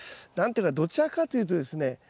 何ていうかどちらかというとですね